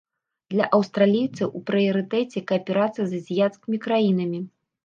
Для аўстралійцаў у прыярытэце кааперацыя з азіяцкімі краінамі.